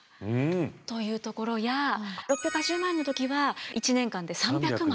というところや６８０万円の時は１年間で３００枚。